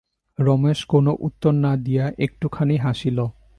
রমেশ কোনো উত্তর না দিয়া একটুখানি হাসিল।